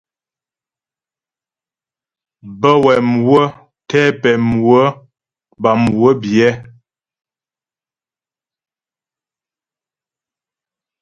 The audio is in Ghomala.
Bə́ wɛ mhwə̌ tɛ pɛ̌ mhwə̀ puá mhwə biyɛ.